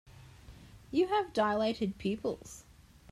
You have dilated pupils.